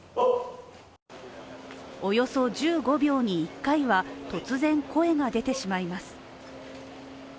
およそ１５秒に１回は、突然声が出てしまいます。